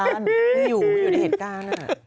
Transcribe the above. ไม่คุยกันไม่อยู่อยู่ในเหตุการณ์